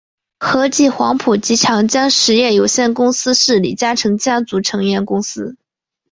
和记黄埔及长江实业有限公司是李嘉诚家族成员公司。